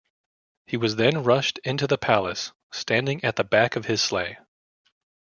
He was then rushed into the palace, standing at the back of his sleigh.